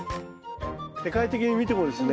世界的に見てもですね